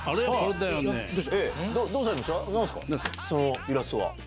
そのイラストは。